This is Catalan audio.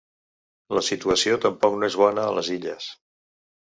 La situació tampoc no és bona a les Illes.